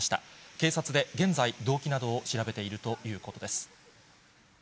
警察で現在、動機などを調べているということです。